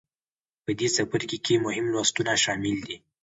په دې څپرکې کې مهم لوستونه شامل دي.